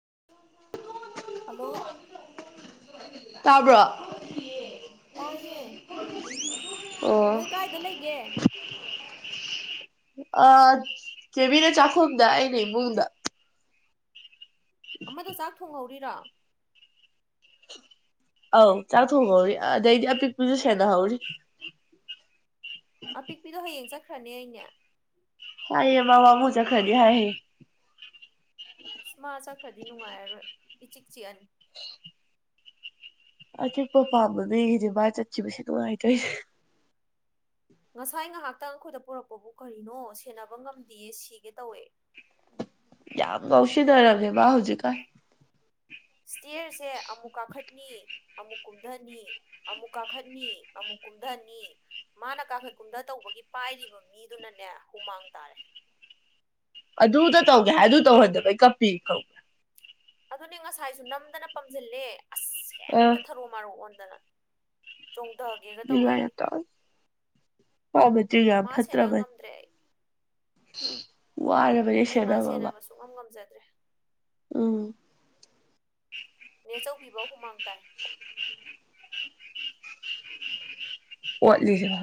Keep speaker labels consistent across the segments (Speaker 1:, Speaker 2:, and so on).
Speaker 1: [inaudible]
Speaker 2: hello
Speaker 1: ꯇꯥꯕ꯭ꯔꯣ
Speaker 2: ꯇꯥꯏꯌꯦ
Speaker 1: ꯑꯣ
Speaker 2: ꯅꯣꯏ ꯀꯥꯏꯗ ꯂꯩꯒꯦ
Speaker 1: ꯑ ꯀꯦꯕꯤꯅ ꯆꯥꯈꯣꯗ ꯑꯩꯅꯦ ꯏꯃꯨꯡꯗ
Speaker 2: ꯑꯃꯗ ꯆꯥꯛ ꯊꯣꯡꯍꯧꯔꯤꯔꯥ
Speaker 1: ꯑꯧ ꯆꯥꯛ ꯊꯣꯡꯍꯧꯔꯤ ꯑꯗꯩꯗꯤ ꯑꯄꯤꯛꯄꯁꯨ ꯁꯦꯅꯍꯧꯔꯤ
Speaker 2: ꯑꯄꯤꯛꯄꯤꯗꯣ ꯍꯌꯦꯡ ꯆꯠꯈ꯭ꯔꯅꯦ ꯑꯩꯅꯦ
Speaker 1: ꯍꯥꯏꯌꯦꯃꯕꯥꯕꯨꯨ ꯆ ꯈꯗꯤ ꯍꯥꯏ ꯍꯦ
Speaker 2: ꯃꯥ ꯆꯠꯈ꯭ꯔꯗꯤ ꯅꯨꯡꯉꯥꯏꯔꯔꯣꯏ ꯏꯆꯤꯛ ꯆꯤꯛꯑꯅꯤ
Speaker 1: ꯑꯆꯤꯛꯄ ꯄꯥꯝꯕ ꯃꯤꯒꯤꯗꯤ ꯃꯥꯚ ꯆꯠꯈꯤꯕꯁꯦ ꯅꯨꯡꯉꯥꯏꯇꯣꯏꯁꯦ
Speaker 2: ꯉꯁꯥꯏ ꯉꯥꯏꯍꯥꯛꯇꯪ ꯑꯩꯈꯣꯏꯗ ꯄꯨꯔꯛꯄꯕꯨ ꯀꯔꯤꯅꯣ ꯁꯦꯟꯅꯕ ꯉꯝꯗꯦꯌꯦ ꯁꯤꯒꯦ ꯇꯧꯋꯦ
Speaker 1: ꯌꯥꯝ ꯉꯧꯁꯤꯟꯅꯔꯃꯦꯦꯕ ꯍꯧꯖꯤꯛꯀꯥꯟ
Speaker 2: ꯏꯁꯇꯤꯔꯁꯦ ꯑꯃꯨꯛ ꯀꯥꯈꯠꯅꯤ ꯑꯃꯨꯛ ꯀꯨꯝꯊꯅꯤ ꯑꯃꯨꯛ ꯀꯥꯈꯠꯅꯤ ꯑꯃꯨꯛ ꯀꯨꯝꯊꯅꯤ ꯃꯥꯅ ꯀꯥꯈꯣꯏ ꯀꯨꯝꯊ ꯇꯧꯕꯒꯤ ꯄꯥꯏꯔꯤꯕ ꯃꯤꯗꯨꯅꯅꯦ ꯍꯨꯃꯥꯡ ꯇꯥꯔꯦ
Speaker 1: ꯑꯗꯨꯗ ꯇꯧꯒꯦ ꯍꯥꯏ ꯑꯗꯨ ꯇꯧꯍꯟꯗꯕ ꯑꯩ ꯀꯞꯄꯤ ꯀꯧꯒꯦ
Speaker 2: ꯑꯗꯨꯅꯤ ꯉꯁꯥꯏꯁꯨ ꯅꯝꯗꯅ ꯄꯝꯁꯤꯜꯂꯦ ꯑꯁ
Speaker 1: ꯑꯥ
Speaker 2: ꯍꯦꯛꯇ ꯊꯔꯨ ꯃꯔꯣꯛ ꯑꯣꯟ ꯆꯣꯡꯊꯒꯦꯒ
Speaker 1: ꯅꯤꯡꯉꯥꯏ
Speaker 2: ꯇꯧꯏꯃꯤ
Speaker 1: ꯌꯥꯝ ꯇꯧꯋꯦ ꯃꯥ ꯃꯆꯤꯟ
Speaker 2: ꯃꯥ ꯁꯦꯅ ꯉꯝꯗ꯭ꯔꯦ ꯑꯩ
Speaker 1: ꯑꯣ ꯑꯔꯕꯖꯦ
Speaker 2: ꯑꯩ ꯃꯥ
Speaker 1: ꯁꯦꯕꯕꯕꯥ
Speaker 2: ꯁꯦꯟꯅꯕ ꯁꯨꯡꯉꯝ ꯉꯝꯖꯗ꯭ꯔꯦ
Speaker 1: ꯎꯝ
Speaker 2: ꯅꯦꯆꯧꯕꯤꯕ ꯍꯨꯃꯥꯡ ꯇꯥꯏ
Speaker 1: ꯑꯣꯠꯂꯤꯖ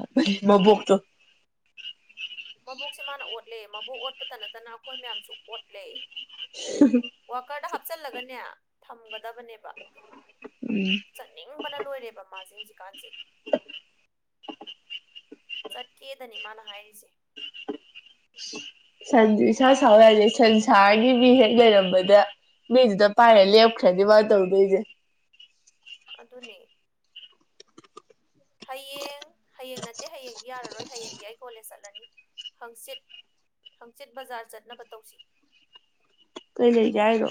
Speaker 1: ꯃꯕꯣꯛꯁꯨ
Speaker 2: ꯃꯕꯣꯛꯁꯦ ꯃꯥꯅ ꯑꯣꯠꯂꯦ ꯃꯕꯣꯛ ꯑꯣꯠꯄꯇ ꯅꯠꯇꯅ ꯑꯩꯈꯣꯏ ꯃꯌꯥꯝꯁꯨ ꯑꯣꯠꯂꯦ ꯋꯥꯀꯔꯗ ꯍꯥꯞꯆꯤꯜꯂꯒꯅꯦ ꯊꯝꯒꯗꯕꯅꯦꯕ
Speaker 1: ꯎꯝ
Speaker 2: ꯆꯅꯤꯡ ꯐꯅ ꯂꯣꯏꯔꯦꯕ ꯃꯥꯁꯦ ꯍꯧꯖꯤꯛꯀꯥꯟꯁꯦ ꯆꯠꯀꯦꯗꯅꯤ ꯃꯥꯅ ꯍꯥꯏꯔꯤꯁꯦ
Speaker 1: ꯁꯟ ꯏꯁꯥ ꯁꯥꯎꯔꯛꯑꯁꯦ ꯁꯟꯁꯥꯔꯒꯤ ꯃꯤ ꯍꯦꯛ ꯂꯩꯔꯝꯕꯗ ꯕꯤꯖꯗ ꯄꯥꯏꯔ ꯂꯦꯞꯈꯔꯗꯤ ꯋꯥ ꯇꯧꯗꯦꯖꯦ
Speaker 2: ꯑꯗꯨ ꯑꯗꯨꯅꯦ ꯍꯌꯦꯡ ꯍꯌꯦꯡ ꯅꯠꯇꯦ ꯍꯌꯦꯡꯗꯤ ꯌꯥꯔꯔꯣꯏ ꯍꯌꯦꯡꯗꯤ ꯑꯩ ꯀꯣꯂꯦꯖ ꯆꯠꯂꯅꯤ ꯍꯪꯆꯤꯠ ꯍꯪꯆꯤꯠ ꯕꯖꯥꯔ ꯆꯠꯅꯕ ꯇꯧꯁꯤ
Speaker 1: ꯀꯩ ꯂꯩ ꯀ ꯍꯥꯏꯔꯣ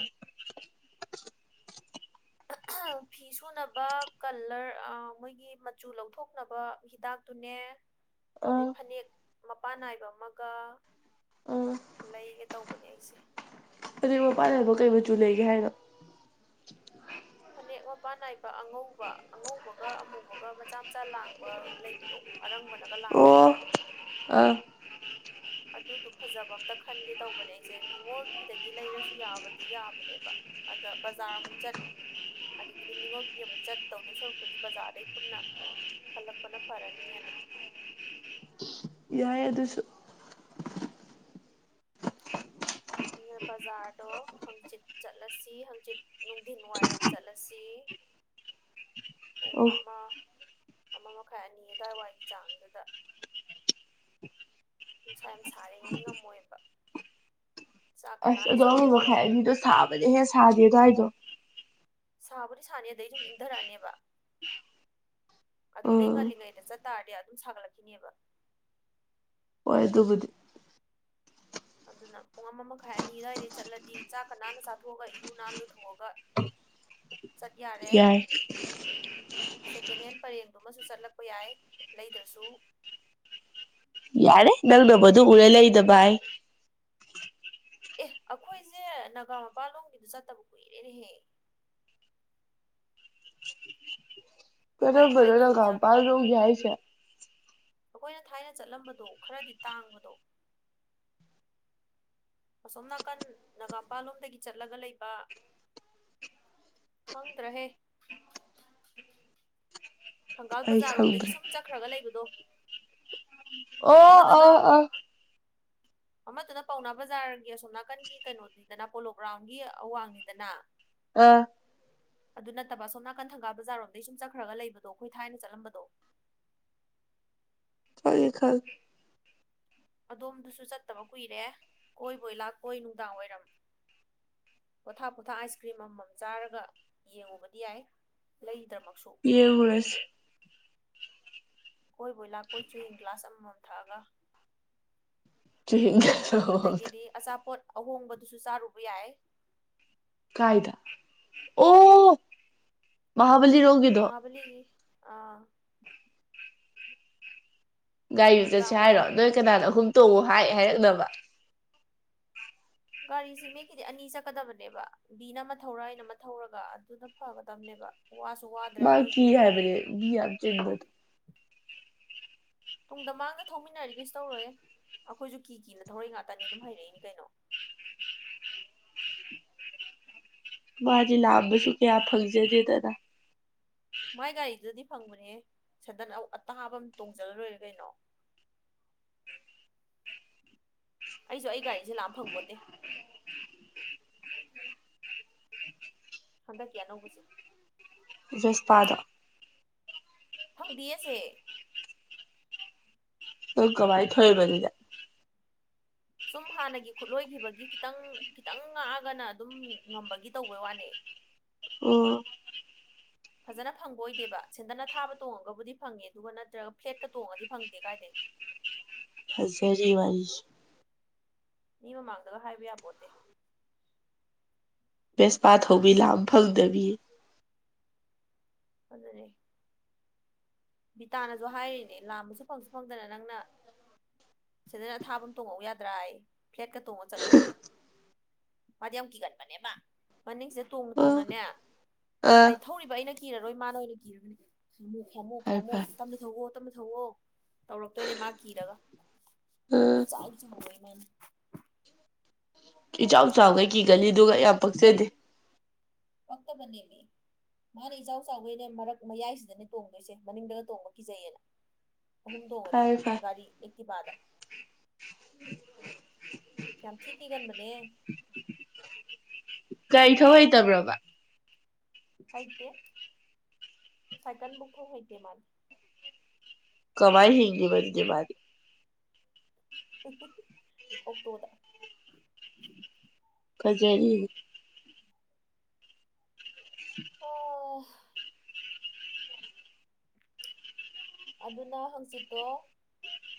Speaker 2: ꯑ ꯐꯤ ꯁꯨꯅꯕ ꯀꯂꯔ ꯃꯣꯏꯒꯤ ꯃꯆꯨ ꯂꯧꯊꯣꯛꯅꯕ ꯍꯤꯗꯥꯛꯇꯨꯅꯦ
Speaker 1: ꯑꯥ
Speaker 2: ꯑꯗꯩ ꯐꯅꯦꯛ ꯃꯄꯥꯟ ꯅꯥꯏꯕ ꯑꯃꯒ
Speaker 1: ꯑꯥ
Speaker 2: ꯂꯩꯒꯦ ꯇꯧꯕꯅꯦ ꯑꯩꯁꯦ
Speaker 1: ꯑꯗꯨꯩ ꯃ ꯄꯥꯟꯅꯕ ꯀꯩ ꯃꯆꯨ ꯂꯩꯒꯦ ꯍꯥꯏꯅꯣ
Speaker 2: ꯃꯦꯛ ꯃꯄꯥꯟ ꯅꯥꯏꯕ ꯑꯉꯧꯕ ꯑꯉꯧꯕꯒ ꯑꯃꯨꯕꯒ ꯃꯆꯥ ꯃꯆꯥ ꯂꯥꯡꯕ ꯂꯩꯕꯗꯣ ꯑꯔꯪꯕꯅꯒ ꯂꯥꯡꯕꯗꯣ
Speaker 1: ꯑꯣ ꯑꯥ
Speaker 2: ꯑꯗꯨꯗꯨ ꯐꯖꯕ ꯑꯝꯇ ꯈꯟꯒꯦ ꯇꯧꯕꯅꯦ ꯑꯩꯁꯦ ꯅꯤꯡꯉꯣꯜ ꯐꯤꯗꯒꯤ ꯂꯩꯔꯁꯨ ꯌꯥꯕꯗꯤ ꯌꯥꯕꯅꯦꯕ ꯑꯗ ꯕꯖꯥꯔ ꯑꯃꯨꯛ ꯆꯠ ꯑꯗꯒꯤꯗꯤ ꯅꯤꯡꯅꯤꯉꯣꯜ ꯐꯤ ꯑꯃꯨꯛ ꯆꯠ ꯇꯧꯗꯣꯏ ꯁꯣꯔꯛꯄꯨꯗꯤ ꯕꯖꯥꯔꯗꯩ ꯄꯨꯟꯅ ꯈꯜꯂꯛꯄꯅ ꯐꯔꯅꯤꯑꯅ
Speaker 1: ꯌꯥ
Speaker 2: ꯕꯖꯥꯔꯗꯣ ꯍꯪꯆꯤꯠ ꯆꯠꯂꯁꯤ ꯍꯪꯆꯤꯠ ꯅꯨꯡꯊꯤꯟ ꯋꯥꯏꯔꯝ ꯆꯠꯂꯁꯤ ꯑꯣ ꯑꯃ ꯑꯃ ꯃꯈꯥꯏ ꯑꯅꯤ ꯑꯗꯥꯋꯥꯏꯋꯥꯏꯒꯤ ꯆꯥꯡꯗꯨꯗ ꯅꯨꯡꯁꯥ ꯌꯥꯝ ꯁꯥꯔꯤꯉꯩ ꯉꯝꯃꯣꯏꯕ ꯆꯥꯛꯀ
Speaker 1: ꯑꯁ
Speaker 2: ꯅꯥꯟꯅ
Speaker 1: ꯑꯗꯣ ꯑꯅꯤ
Speaker 2: ꯆꯥꯊꯣꯛꯑꯒ
Speaker 1: ꯃꯈꯥꯏ ꯑꯅꯤꯗꯣ ꯁꯥꯕꯗꯤ ꯍꯦꯛ ꯁꯥꯗꯦ ꯑꯗꯨꯗꯋꯥꯏꯗꯣ
Speaker 2: ꯁꯥꯕꯨꯗꯤ ꯁꯥꯅꯤ ꯑꯗꯩ ꯑꯗꯨꯝ ꯏꯪꯊꯔꯛꯑꯅꯦꯕ ꯑꯗꯨꯗꯩ
Speaker 1: ꯑꯥ
Speaker 2: ꯉꯜꯂꯤꯉꯩꯗ ꯆꯠꯇꯥꯥꯔꯗꯤ ꯑꯗꯨꯝ ꯁꯥꯒꯠꯂꯛꯈꯤꯅꯦꯕ
Speaker 1: ꯍꯣꯏ ꯑꯗꯨꯕꯨꯗꯤ
Speaker 2: ꯑꯗꯨꯅ ꯄꯨꯡ ꯑꯃ ꯃꯈꯥꯏ ꯑꯅꯤ ꯑꯗꯨꯋꯥꯏꯗꯩ ꯆꯠꯂꯗꯤ ꯆꯥꯛꯀ ꯅꯥꯟꯅ ꯆꯥꯊꯣꯛꯑꯒ ꯏꯔꯨ ꯅꯥꯟꯅ ꯂꯨꯊꯣꯛꯑꯒ ꯆꯠ ꯌꯥꯔꯦ
Speaker 1: ꯌꯥꯏ
Speaker 2: ꯁꯦꯀꯦꯟ ꯍꯦꯟ ꯄꯔꯦꯡꯗꯨꯃꯨ ꯆꯠꯂꯛꯄ ꯌꯥꯏ ꯂꯩꯗ꯭ꯔꯁꯨ
Speaker 1: ꯌꯥꯔꯦ ꯅꯪꯅꯨ ꯎꯔꯦ ꯂꯩꯗꯚꯥꯏ
Speaker 2: ꯑꯦ ꯑꯩꯈꯣꯏ ꯑꯩꯁꯦ ꯅꯅꯥꯒꯥ ꯃꯄꯥꯜꯂꯣꯝꯒꯤꯗ ꯆꯠꯇꯕ ꯀꯨꯏꯔꯦꯅꯦꯍꯦ
Speaker 1: ꯀꯔꯣ
Speaker 2: ꯀꯃꯥꯏ ꯀꯃꯥꯏ
Speaker 1: ꯐꯔ
Speaker 2: ꯇꯧꯔꯤꯖꯥꯠꯅꯣ
Speaker 1: ꯂꯒꯥꯎꯄꯔ ꯂ
Speaker 2: ꯈꯪꯗꯦ
Speaker 1: ꯌꯥꯏꯁ
Speaker 2: ꯑꯩꯈꯣꯏꯅ ꯊꯥꯏꯅ ꯆꯠꯂꯝꯕꯗꯣ ꯈꯔꯗꯤ ꯇꯥꯡꯕꯗꯣ ꯑꯁꯣꯝ ꯅꯥꯀꯟ ꯅꯅꯥꯒꯥꯝꯄꯥꯜꯂꯣꯝꯗꯒꯤ ꯆꯠꯂꯒ ꯂꯩꯕ ꯈꯪꯗ ꯔꯦ ꯊꯪꯒꯥꯜ
Speaker 1: ꯑꯩ
Speaker 2: ꯕꯖꯥꯔꯣꯝꯗꯒꯤ
Speaker 1: ꯈꯪꯗ꯭ꯔꯦ
Speaker 2: ꯁꯨꯝ ꯆꯠꯈ꯭ꯔꯒ ꯂꯩꯕꯗꯣ
Speaker 1: ꯑꯣ
Speaker 2: ꯑꯃꯗꯨꯅ
Speaker 1: ꯑꯣ ꯑ
Speaker 2: [unintelligible] ꯑꯃꯗꯨꯅ ꯄꯥꯎꯅꯥ ꯕꯖꯥꯔꯒꯤ ꯑꯁꯣꯝ ꯅꯥꯀꯟꯒꯤ ꯀꯩꯅꯣꯅꯤꯗꯅ ꯄꯣꯂꯣ ꯒ꯭ꯔꯥꯎꯟꯒꯤ ꯑꯋꯥꯡꯅꯤꯗꯅ
Speaker 1: ꯑ
Speaker 2: ꯑꯗꯨ ꯅꯠꯇꯕ ꯑꯣꯝ ꯅꯥꯀꯟ ꯊꯪꯒꯥ ꯕꯖꯥꯔꯣꯝꯗꯒꯤꯩ ꯁꯨꯝ ꯆꯠꯈ꯭ꯔꯒ ꯂꯩꯕꯗꯣ ꯑꯩꯈꯣꯏ ꯊꯥꯏꯅ ꯆꯠꯂꯝꯕꯗꯣ [unintelligible]
Speaker 1: ꯐꯔ ꯈꯔ
Speaker 2: ꯑꯗꯣꯝꯗꯨꯁꯨ ꯆꯠꯇꯕ ꯀꯨꯏꯔꯦ ꯀꯣꯏꯕꯣꯏ ꯂꯥꯛꯄꯣꯏ ꯅꯨꯡꯗꯥꯡ ꯋꯥꯏꯔꯝ ꯄꯣꯊꯥꯞ ꯄꯣꯊꯥ ꯑꯥꯏꯁ ꯀ꯭ꯔꯤꯝ ꯑꯃꯃꯝ ꯆꯥꯔꯒ ꯌꯦꯡꯉꯨꯕꯗꯤ ꯌꯥꯏ ꯂꯩ
Speaker 1: ꯌꯦꯉꯔꯁ
Speaker 2: ꯀꯣꯏ ꯕꯣꯏ ꯂꯥ ꯀꯣꯏ ꯆꯨꯍꯤꯡ ꯒ꯭ꯂꯥꯁ ꯑꯃꯃꯝ ꯊꯛꯑꯒ
Speaker 1: ꯆ
Speaker 2: ꯑꯗꯒꯤꯗꯤ ꯑꯆꯥꯄꯣꯠ ꯑꯍꯣꯡꯕꯗꯨꯁꯨ ꯆꯥꯔꯨꯕ ꯌꯥꯏ
Speaker 1: ꯀꯥꯏꯗ ꯑꯣ ꯃꯥ
Speaker 2: ꯃꯥꯕꯂꯤꯒꯤ
Speaker 1: ꯒꯥꯔꯤꯗꯨꯨ ꯆꯠꯁ
Speaker 2: ꯅꯨꯡꯗꯥꯡ
Speaker 1: ꯍꯥꯏꯔꯣ
Speaker 2: ꯋꯥꯏꯔꯝ
Speaker 1: ꯅꯣꯏ
Speaker 2: ꯑꯃ
Speaker 1: ꯀꯅꯥꯅꯣ ꯑꯍꯨꯝ ꯇꯣꯛꯎ ꯍꯥꯏ ꯍꯥꯏꯔꯛꯅꯕ
Speaker 2: ꯒꯥꯔꯤꯁꯤ ꯃꯤꯒꯤꯗꯤ ꯑꯅꯤ ꯆꯠꯀꯗꯕꯅꯦꯕ ꯕꯤꯅ ꯑꯃ ꯊꯧꯔ ꯑꯩꯅ ꯑꯃ ꯊꯧꯔꯒ ꯑꯗꯨꯅ ꯐꯒꯗꯕꯅꯦꯕ ꯋꯥꯁꯨ ꯋꯥꯗ꯭ꯔꯦ
Speaker 1: ꯃꯥꯈꯤ
Speaker 2: ꯑꯗꯨꯑꯣꯏꯗꯤ
Speaker 1: ꯍꯥꯏꯦꯕꯔꯦꯕꯤ ꯌꯥꯝ ꯆꯤꯟꯗꯠ
Speaker 2: ꯇꯨꯡꯗ ꯃꯥꯡꯗ ꯊꯧꯃꯤꯟꯅꯔꯤꯒꯦꯁꯨ ꯇꯧꯔꯣꯏꯌꯦꯦ ꯑꯩꯈꯣꯏꯁꯨ ꯀꯤ ꯀꯤꯅ ꯊꯧꯔꯛꯏ ꯉꯇꯅꯤ ꯑꯗꯨꯝ ꯍꯩꯔꯛꯏꯅꯤ ꯀꯩꯅꯣ
Speaker 1: ꯋꯥꯖꯤꯦ ꯂꯥꯕꯁꯨ ꯀꯌꯥ ꯐꯛꯖꯖꯦ ꯇꯔ
Speaker 2: ꯃꯥꯏ ꯒꯥꯔꯤꯗꯨꯗꯗꯤ ꯐꯪꯕꯅꯦ ꯁꯗꯟ ꯑꯇꯥꯕ ꯑꯃ ꯇꯣꯡꯖꯜꯂꯔꯣꯏꯔꯦ ꯀꯩꯅꯣ [inaudible] ꯑꯩꯁꯨ ꯑꯩ ꯒꯥꯔꯤꯁꯦ ꯂꯥꯛꯑ ꯐꯪꯄꯣꯠꯇꯦ ꯍꯟꯗꯛꯀꯤ ꯑꯅꯧꯕꯁꯦ
Speaker 1: ꯁꯄꯥꯗ
Speaker 2: ꯐꯪꯗꯤ ꯑꯁꯦ
Speaker 1: ꯑꯣꯀꯣꯚꯥꯏ ꯊꯣꯏꯕꯅꯤꯗ
Speaker 2: ꯁꯨꯝ ꯍꯥꯟꯅꯒꯤ ꯈꯨꯠꯂꯣꯏꯈꯤꯕꯒꯤ ꯈꯤꯇꯪ ꯈꯤꯇꯪ ꯉꯥꯛꯑꯒꯅ ꯑꯗꯨꯝ ꯉꯝꯕꯒꯤ ꯇꯧꯕꯩ ꯋꯥꯅꯦ [inaudible]
Speaker 1: ꯑꯣ
Speaker 2: [inaudible] ꯐꯖꯅ ꯐꯪꯕ ꯑꯣꯏꯗꯦꯕ ꯁꯦꯟꯗ ꯑ ꯊꯥꯕ ꯇꯣꯡꯉꯒꯕꯨꯗꯤ ꯐꯪꯉꯦ ꯑꯗꯨꯒ ꯅꯠꯇ꯭ꯔꯒ ꯐ꯭ꯂꯦꯠꯀ ꯇꯣꯡꯉꯗꯤ ꯐꯪꯗꯦ ꯀꯥꯏꯗꯩ [inaudible]
Speaker 1: ꯍꯖꯔꯤ ꯋꯥꯔꯤꯏ
Speaker 2: ꯃꯤ ꯃꯃꯥꯡꯗꯒ ꯍꯥꯏꯕ ꯌꯥꯄꯣꯠꯇꯦ
Speaker 1: ꯕꯦꯁꯄꯥ ꯊꯧꯕꯤ ꯂꯥꯝ ꯐꯪꯗꯕꯤ
Speaker 2: ꯑꯗꯨꯗꯦ ꯕꯤꯇꯥꯅꯁꯨ ꯍꯥꯏꯔꯤꯅꯦ ꯂꯥꯝꯕꯁꯨ ꯐꯪꯁꯨ ꯐꯪꯗꯅ ꯅꯪꯅ ꯁꯤꯗꯅ ꯑꯊꯥꯐꯝ ꯇꯣꯡꯉꯧ ꯌꯥꯗ꯭ꯔꯥ ꯑꯩ ꯐ꯭ꯂꯦꯠꯀ ꯇꯣꯡꯉ ꯆꯠꯂꯨꯔꯗꯤ ꯃꯥꯗꯤ ꯌꯥꯝ ꯀꯤꯒꯟꯕꯅꯦ ꯃꯥ ꯃꯅꯤꯡꯁꯤꯗ ꯇꯣꯡꯅ
Speaker 1: ꯑꯥ
Speaker 2: ꯇꯣꯡꯅꯅꯦ
Speaker 1: ꯑꯥ
Speaker 2: ꯑꯩ ꯊꯧꯔꯤꯕ ꯑꯩꯅ ꯀꯤꯔꯔꯣꯏ ꯃꯥꯅ ꯑꯣꯏꯅ ꯀꯤꯔꯒꯅꯤ ꯈꯝꯃꯣ ꯈꯥꯃꯨ
Speaker 1: ꯐꯔꯦ
Speaker 2: ꯈꯥꯝꯃꯣꯛ
Speaker 1: ꯐꯔꯦ
Speaker 2: ꯇꯝꯅ ꯊꯧꯎꯑꯣ ꯇ ꯊꯣꯛꯑꯣ ꯇꯧꯔꯛꯇꯣꯏꯅꯦ ꯃꯥ ꯀꯤꯔꯒ ꯏ
Speaker 1: ꯑꯥ
Speaker 2: ꯆꯜꯆ ꯃ ꯃꯩꯃꯅ
Speaker 1: ꯏꯆꯥꯎ ꯆꯥꯎꯈꯩ ꯀꯤꯒꯅꯤꯗꯨꯒ ꯌꯥꯝ ꯄꯛꯆꯗꯦ
Speaker 2: ꯑꯣꯛꯇꯕꯗꯤꯅꯤ ꯃꯥꯅ ꯏꯆꯥꯎ ꯆꯥꯎꯕꯩꯅꯦ ꯃꯔꯛ ꯃꯌꯥꯏꯁꯤꯗꯅꯦ ꯇꯣꯡꯗꯣꯏꯁꯦ ꯃꯅꯤꯡꯗꯒ ꯇꯣꯡꯕ ꯀꯤꯖꯩꯌꯦꯅ ꯑꯍꯨꯝꯗꯣꯡꯉꯗꯤ
Speaker 1: ꯐꯔꯦ ꯐꯔꯦ
Speaker 2: ꯒꯥꯔꯤ ꯑꯩꯛꯇꯤꯄꯥꯗ ꯌꯥꯝ ꯊꯤꯈꯤꯒꯟꯕꯅꯦ
Speaker 1: ꯀꯒꯥꯔꯤ ꯊ ꯍꯩꯇꯕ꯭ꯔꯕ
Speaker 2: ꯍꯩꯇꯦ ꯁꯥꯏꯀꯜꯕꯨꯛ ꯊꯧ ꯍꯩꯇꯦ ꯃꯥꯅꯤ
Speaker 1: ꯀꯃꯥꯏ ꯍꯦꯟ ꯃꯦ ꯃꯥ
Speaker 2: ꯑꯣꯛꯇꯣꯗ
Speaker 1: ꯐꯖꯔꯤ
Speaker 2: ꯑꯣ ꯑꯗꯨꯅ ꯍꯥꯡꯆꯤꯠꯇꯣ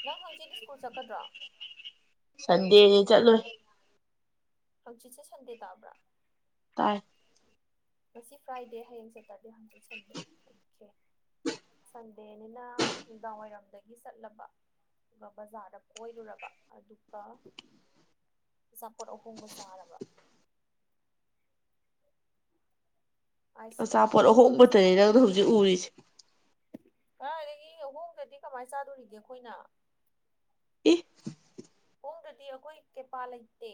Speaker 2: ꯅꯪ ꯍꯪꯆꯤꯠ ꯁ꯭ꯀꯨꯜ ꯆꯠꯀꯗ꯭ꯔꯣ
Speaker 1: ꯁꯟꯗꯦ ꯆꯠꯂꯣ
Speaker 2: ꯍꯧꯛꯖꯤꯠꯁꯦ ꯁꯟꯗꯦ ꯇꯥꯕ꯭ꯔꯥ
Speaker 1: ꯇꯥꯏ
Speaker 2: ꯃꯁꯤ ꯐ꯭ꯔꯥꯏꯗꯦ ꯍꯌꯦꯡ ꯁꯦꯇꯔꯗꯦ ꯍꯥꯡꯆꯠ ꯁꯟꯗꯦ ꯑꯣꯀꯦ ꯁꯟꯗꯦꯅꯤꯅ ꯅꯨꯡꯗꯥꯡꯋꯥꯏꯔꯝꯗꯒꯤ ꯆꯠꯂꯕ ꯑꯗꯨꯒ ꯕꯖꯥꯔꯗ ꯀꯣꯏꯔꯨꯔꯕ ꯑꯗꯨꯒ ꯑꯆꯥꯄꯣꯠ ꯑꯍꯣꯡꯕ ꯆꯥꯔꯕ ꯑꯥꯏꯁ ꯀ꯭ꯔꯤꯝ
Speaker 1: ꯑꯆꯥꯄꯣꯠ
Speaker 2: ꯑꯃꯃꯝ
Speaker 1: ꯑꯍꯣꯡꯕꯇꯅꯤ ꯅꯪꯅ ꯍꯧꯖꯤꯛ ꯎꯔꯤꯁꯦ
Speaker 2: ꯀꯗꯥꯥꯏꯏꯗꯒꯤ ꯑꯍꯣꯡꯗꯗꯤ ꯀꯃꯥꯏꯅ ꯆꯥꯗꯣꯔꯤꯒꯦ ꯑꯩꯈꯣꯏꯅ
Speaker 1: ꯏ
Speaker 2: ꯄꯣꯡꯗꯗꯤ ꯑꯩꯈꯣꯏ ꯀꯩꯄꯥꯜ ꯂꯩꯇꯦ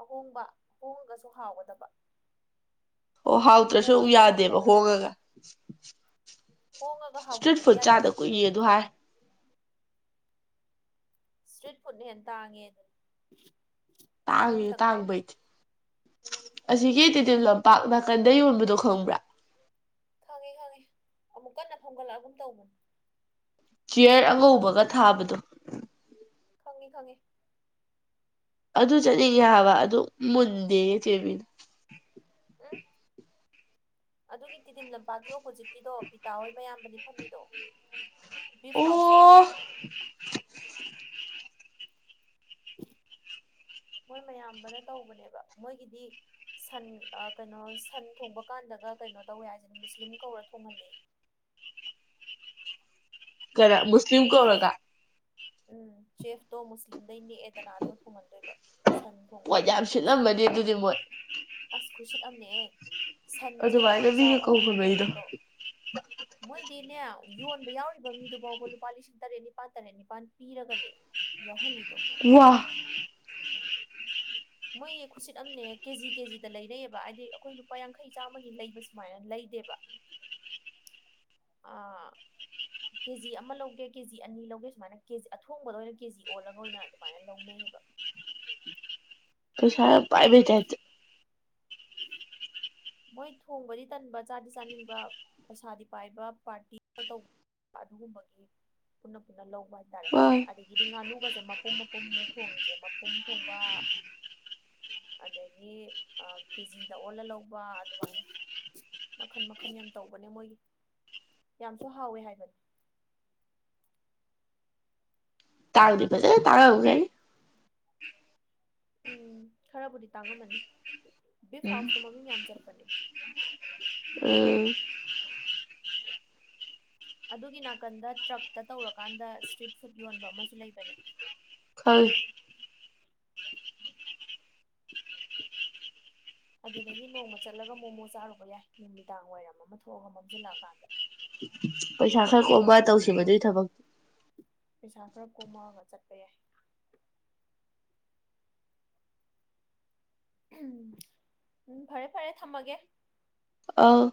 Speaker 2: ꯑꯍꯣꯡꯕ ꯑꯍꯣꯡꯉꯒꯁꯨ ꯍꯥꯎꯒꯗꯕ
Speaker 1: ꯑꯣ ꯍꯥꯎꯇ꯭ꯔꯁꯨ
Speaker 2: ꯍꯣꯡꯉꯦꯅ
Speaker 1: ꯌꯥꯗꯦꯕ
Speaker 2: ꯍꯥꯎꯇꯕ ꯌꯥꯗꯦ
Speaker 1: ꯍꯣꯡꯉꯒ
Speaker 2: ꯍꯣꯡꯉꯒ
Speaker 1: ꯏꯁꯇ꯭ꯔꯤꯠ
Speaker 2: ꯍꯥꯎꯇꯕꯗꯤ
Speaker 1: ꯐꯨꯗ
Speaker 2: ꯌꯥꯗꯦ
Speaker 1: ꯆꯥꯗ ꯀꯨꯏ ꯑꯗꯨ ꯍꯥꯏ
Speaker 2: ꯏꯁꯇ꯭ꯔꯤꯠ ꯐꯨꯗꯅ ꯍꯦꯟꯅ ꯇꯥꯡꯉꯦ ꯑꯗꯨꯅ
Speaker 1: ꯇꯥ ꯇꯥꯒꯕꯩꯠ ꯑꯁꯤꯒꯤ ꯇꯤꯇꯜ ꯂꯝꯄꯥꯛ ꯅꯥꯀꯟꯗ ꯌꯣꯟꯕꯗꯣ ꯈꯪꯕ꯭ꯔꯥ
Speaker 2: ꯈꯪꯉꯤ ꯈꯪꯉꯤ ꯑꯃꯨꯛ ꯀꯟꯅ ꯐꯝꯒꯠꯂꯛꯑꯒꯝ ꯇꯧꯕꯅꯦ
Speaker 1: ꯆꯤꯌꯔ ꯑꯉꯧꯕꯒ ꯊꯥꯕꯗꯣ
Speaker 2: ꯈꯉꯦ ꯈꯉꯦ
Speaker 1: ꯑꯗꯨ ꯆꯠꯅꯤꯡꯉꯦ ꯍꯥꯏꯕ ꯑꯗꯨ ꯃꯨꯟꯗꯦ ꯆꯦꯕꯤ
Speaker 2: ꯑꯗꯨꯒꯤ ꯇꯤꯗꯤꯤꯝ ꯂꯝꯄꯥꯛꯀꯤ ꯑꯣꯄꯣꯖꯤꯠ ꯒꯤꯗꯣ ꯕꯤꯇꯥ ꯍꯣꯏ ꯃꯌꯥꯝꯕꯅꯤ ꯐꯝꯃꯤꯗꯣ ꯕꯤꯐ ꯍꯥꯎꯁꯇꯣ
Speaker 1: ꯑꯣ [unintelligible]
Speaker 2: ꯍꯣꯏ ꯃꯌꯥꯝꯕꯅ ꯇꯧꯕꯅꯦꯕ ꯃꯣꯏꯒꯤꯗꯤ ꯁꯟ ꯀꯩꯅꯣ ꯁꯟ ꯊꯣꯡꯕ ꯀꯥꯟꯗꯒ ꯀꯩꯅꯣ ꯇꯧꯦ ꯍꯥꯏꯁꯤꯅ ꯃꯨꯁꯂꯤꯝ ꯀꯧꯔ ꯊꯣꯡꯍꯜꯂ
Speaker 1: ꯈꯔ ꯃꯁꯂꯤꯝ ꯀꯧꯔꯣꯒ
Speaker 2: ꯎꯝ ꯆꯦꯐꯇꯣ ꯃꯨꯁꯂꯤꯝꯗꯩ ꯅꯦꯛꯑꯦꯗꯅꯥ ꯑꯗꯨꯃ ꯊꯨꯡꯍꯟꯗꯣꯏꯕ
Speaker 1: ꯄꯣꯠ ꯌꯥꯝ ꯁꯤꯠꯂꯝꯃꯅꯤ ꯑꯗꯨꯗꯤ ꯃꯣꯏ
Speaker 2: ꯈꯨꯁꯤꯠ ꯑꯃꯅꯦꯍ ꯁꯟꯁꯦ
Speaker 1: ꯑꯗꯨꯃꯥꯏꯅ
Speaker 2: ꯈꯥꯡꯖꯥꯎ
Speaker 1: ꯃꯤꯒ
Speaker 2: ꯑꯃꯃꯝ
Speaker 1: ꯀꯧꯈꯠꯂꯛꯏꯗꯣ
Speaker 2: ꯊꯣꯡꯕꯗꯣ ꯃꯣꯏ ꯅꯦ ꯌꯣꯟꯕ ꯌꯥꯎꯔꯤꯕ ꯃꯤꯗꯨ ꯐꯥꯎꯕ ꯂꯨꯄꯥ ꯂꯤꯁꯤꯡ ꯇꯔꯦꯠ ꯅꯤꯄꯥꯜ ꯇꯔꯦꯠ ꯅꯤꯄꯥꯜ ꯄꯤꯔꯒꯅꯦ ꯌꯥꯎꯍꯜꯂꯤꯗꯣ
Speaker 1: ꯋꯥ
Speaker 2: ꯃꯣꯏꯅꯦ ꯈꯨꯁꯤꯠ ꯑꯅꯦ ꯀꯦꯖꯤ ꯀꯦꯖꯤꯗ ꯂꯩꯔꯩꯑꯕ ꯍꯥꯏꯗꯤ ꯑꯩꯈꯣꯏ ꯂꯨꯄꯥ ꯌꯥꯡꯈꯩ ꯆꯥꯝꯃꯒꯤ ꯂꯩꯕ ꯁꯨꯃꯥꯏꯅ ꯂꯩ ꯏꯗꯦꯕ ꯑ ꯀꯦꯖꯤ ꯑꯃ ꯂꯧꯒꯦ ꯀꯦꯖꯤ ꯑꯅꯤ ꯂꯧꯒꯦ ꯁꯨꯃꯥꯏꯅ ꯀꯦꯖꯤ ꯑꯊꯣꯡꯕꯗ ꯑꯣꯏꯅ ꯀꯦ ꯖꯤ ꯑꯣꯜꯂꯒ ꯑꯣꯏꯅ ꯑꯗꯨꯃꯥꯏꯅ ꯂꯧꯅꯩꯌꯦ [unintelligible]
Speaker 1: ꯀꯩꯁꯥꯏ ꯄꯥꯏꯕꯤꯦꯇ
Speaker 2: ꯃꯣꯏ ꯊꯣꯡꯕꯗꯤ ꯇꯟꯕ ꯆꯥꯗꯤ ꯆꯥꯅꯤꯡꯕ ꯄꯩꯁꯥꯗꯤ ꯄꯥꯏꯕ ꯄꯥꯔꯇꯤ ꯇꯧꯕ ꯌꯥ ꯑꯗꯨꯨꯝ ꯃꯒ ꯄꯨꯟꯅ ꯄꯨꯟꯅ ꯂꯧꯕ ꯍꯥꯏꯇꯥꯔꯦ
Speaker 1: ꯋꯥ
Speaker 2: ꯑꯗꯒꯤꯗꯤ ꯉꯥꯅꯨꯒꯁꯦ ꯃꯄꯨꯝ ꯃꯄꯨꯝꯅꯦ ꯊꯣꯡꯉꯤꯁꯦ ꯃꯄꯨꯝ ꯊꯣꯡꯕ ꯑꯗꯒꯤ ꯑ ꯀꯦꯖꯤꯗ ꯑꯣꯜꯂ ꯂꯧ ꯋꯥ ꯑꯗꯨꯃꯥꯏꯅ ꯃꯈꯜ ꯃꯈꯟ ꯌꯥꯝ ꯇꯧꯕꯅꯦ ꯃꯣꯏꯒꯤ ꯌꯥꯝꯁꯨ ꯍꯥꯎꯋꯦ ꯍꯥꯏꯕꯅꯤ
Speaker 1: ꯇꯥꯔꯥꯗꯤꯕꯁꯦ ꯇꯥꯔꯥ ꯎꯔꯦꯜ
Speaker 2: ꯎꯝ ꯈꯔꯕꯨꯗꯤ ꯇꯥꯡꯉꯝꯃꯅꯤ ꯕꯤꯐ ꯍꯥꯎꯁꯇꯣ ꯃꯃꯤꯡ ꯌꯥꯝ ꯆꯠꯄꯅꯦ ꯎ
Speaker 1: ꯑꯣ
Speaker 2: ꯑꯗꯨꯒꯤ ꯅꯥꯀꯟꯗ ꯇ꯭ꯔꯛꯇ ꯇꯧꯔꯀꯥꯟꯗ ꯏꯁꯇ꯭ꯔꯤꯠ ꯐꯨꯗ ꯌꯣꯟꯕ ꯑꯃꯁꯨ ꯂꯩꯕꯅꯦ
Speaker 1: ꯈꯪ
Speaker 2: ꯑꯗꯨꯗꯒꯤ ꯅꯣꯡꯃ ꯆꯠꯂꯒ ꯃꯣꯃꯣ ꯆꯥꯔꯨꯕ ꯌꯥꯏ ꯅꯨꯃꯤꯗꯥꯡ ꯋꯥꯏꯔꯝ ꯑꯃ ꯊꯣꯛꯑꯒ ꯃꯝꯁꯤꯜꯂꯛꯑꯀꯥꯟꯗ
Speaker 1: ꯄꯩꯁꯥ ꯈꯔ ꯀꯣꯕ ꯇꯧꯁꯤꯕꯗꯨꯒꯤ ꯊꯕꯛꯇ
Speaker 2: ꯄꯩꯁꯥ ꯈꯔ ꯀꯣꯝꯃꯛꯒ ꯆꯠꯄ ꯌꯥꯏ ꯎꯝ ꯎꯝ ꯐꯔꯦ ꯐꯔꯦ ꯊꯝꯃꯒꯦ
Speaker 1: ꯑꯧ